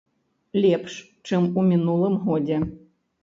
Лепш, чым у мінулым годзе.